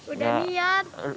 udah niat sih